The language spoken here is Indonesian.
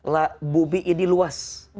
la bumi ini luas